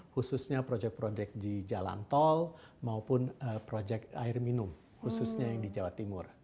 khususnya proyek proyek di jalan tol maupun proyek air minum khususnya yang di jawa timur